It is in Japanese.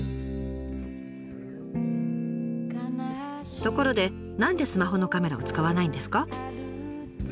ところで何でスマホのカメラを使わないんですか？